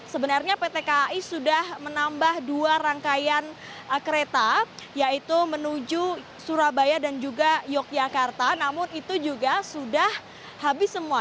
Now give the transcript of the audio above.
sebenarnya pt kai sudah menambah dua rangkaian kereta yaitu menuju surabaya dan juga yogyakarta namun itu juga sudah habis semua